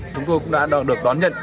chúng tôi cũng đã được đón nhận